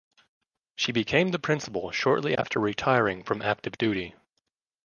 She became the principal shortly after retiring from active duty.